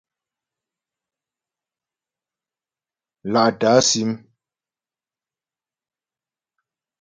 Lá'tə̀ á sim.